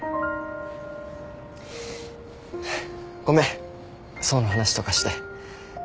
ごめん想の話とかして。